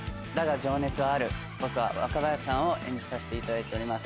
僕は若林さんを演じさせていただいております。